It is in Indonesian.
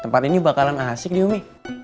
tempat ini bakalan asik nih umi